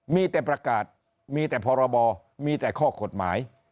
มีแต่ประกาศมีแต่พรบมีแต่ข้อกฎหมาย